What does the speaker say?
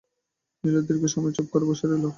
নীলু দীর্ঘ সময় চুপ কুরে বসে রইল।